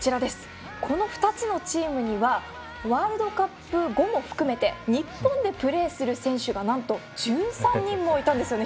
この２つのチームにはワールドカップ後も含めて日本でプレーする選手がなんと１３人もいたんですよね。